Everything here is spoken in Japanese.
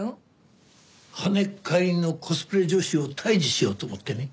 跳ねっ返りのコスプレ女史を退治しようと思ってね。